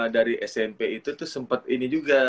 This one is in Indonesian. dari smp itu tuh sempat ini juga